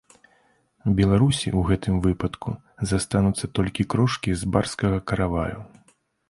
Беларусі ў гэтым выпадку застануцца толькі крошкі з барскага караваю.